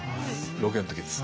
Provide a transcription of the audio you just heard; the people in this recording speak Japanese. ロケの時です。